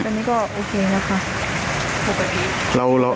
ตอนนี้ก็โอเคนะคะ